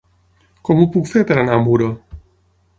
Com ho puc fer per anar a Muro?